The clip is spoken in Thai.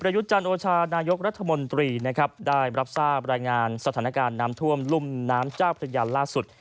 พยจโอชานายกรัฐมนตรีได้รับสร้างรายงานสถานการณ์น้ำท่วมลุมน้ำจ้าพยานล่าสุด